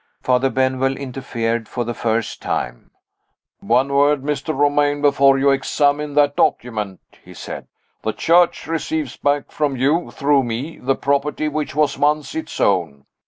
Father Benwell interfered, for the first time. "One word, Mr. Romayne, before you examine that document," he said. "The Church receives back from you (through me) the property which was once its own.